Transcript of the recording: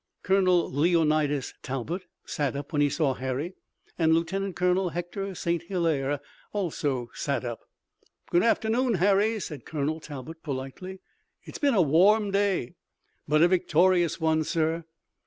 Colonel Leonidas Talbot sat up when he saw Harry, and Lieutenant Colonel Hector St. Hilaire also sat up. "Good afternoon, Harry," said Colonel Talbot, politely. "It's been a warm day." "But a victorious one, sir."